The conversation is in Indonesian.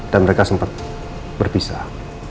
dan mereka sempat berpisah